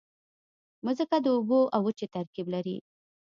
مځکه د اوبو او وچې ترکیب لري.